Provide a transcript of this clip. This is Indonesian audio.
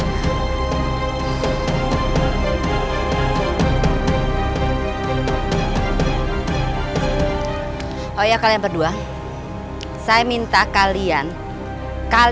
dia bisa siapkan satu rumah